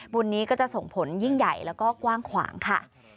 บุญนี้ก็จะส่งผลยิ่งใหญ่แล้วก็กว้างขวางค่ะ